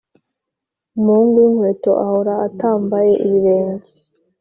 umuhungu winkweto ahora atambaye ibirenge